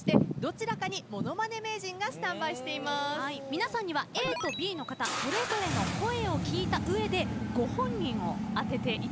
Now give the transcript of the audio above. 皆さんにはＡとＢの方それぞれの声を聴いた上でご本人を当てていただきます。